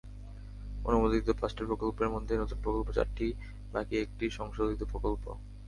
অনুমোদিত পাঁচটি প্রকল্পের মধ্যে নতুন প্রকল্প চারটি, বাকি একটি সংশোধিত প্রকল্প।